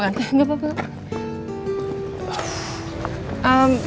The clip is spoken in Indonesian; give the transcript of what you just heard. lo gak apa apa juga